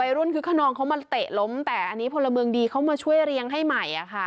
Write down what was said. รุ่นคึกขนองเขามาเตะล้มแต่อันนี้พลเมืองดีเขามาช่วยเรียงให้ใหม่